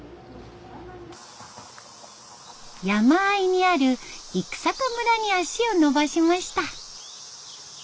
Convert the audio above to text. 山あいにある生坂村に足を延ばしました。